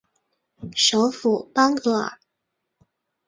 首府邦戈尔。